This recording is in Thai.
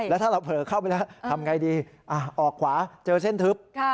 แล้วถ้าเราเผลอเข้าไปแล้วทำไงดีออกขวาเจอเส้นทึบ